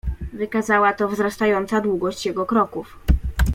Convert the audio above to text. "Wykazała to wzrastająca długość jego kroków."